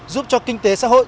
giúp cho kinh tế xã hội